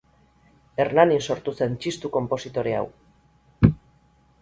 Hernanin sortu zen txistu-konpositore hau.